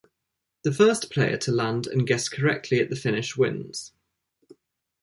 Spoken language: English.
The first player to land and guess correctly at the finish wins.